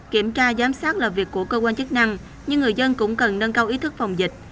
kiểm tra giám sát là việc của cơ quan chức năng nhưng người dân cũng cần nâng cao ý thức phòng dịch